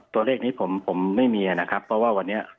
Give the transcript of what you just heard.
ตัวเลขนี้ผมไม่มีนะครับเพราะว่าวันนี้